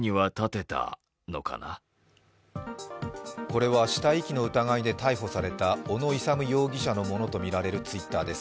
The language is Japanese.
これは死体遺棄の疑いで逮捕された小野勇容疑者のものとみられるＴｗｉｔｔｅｒです。